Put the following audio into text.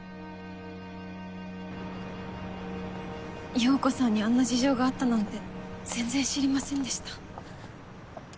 洋子さんにあんな事情があったなんて全然知りませんでした。